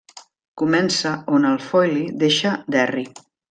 Comença on el Foyle deixa Derry.